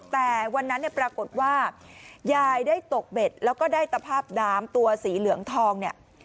แต่วันนั้นปรากฏว่ายายได้ตกเบ็ดแล้วก็ได้ตภาพดามตัวสีเหลืองทอง